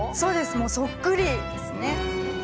もうそっくりですね。